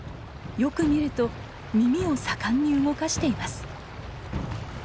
よく見ると耳をさかんに動かしています。